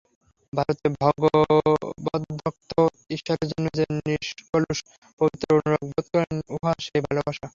ভারতে ভগবদ্ভক্ত ঈশ্বরের জন্য যে নিষ্কলুষ পবিত্র অনুরাগ বোধ করেন, উহা সেই ভালবাসা।